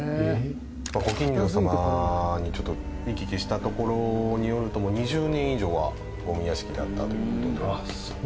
ご近所さまに見聞きしたところによると２０年以上はゴミ屋敷だったということで。